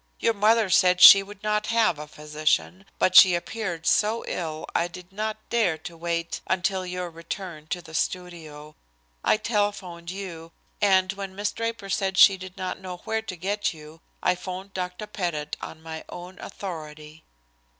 "Your mother said she would not have a physician, but she appeared so ill I did not dare to wait until your return to the studio. I telephoned you, and when Miss Draper said she did not know where to get you, I 'phoned to Dr. Pettit on my own authority."